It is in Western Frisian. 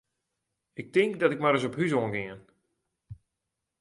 Ik tink dat ik mar ris op hús oan gean.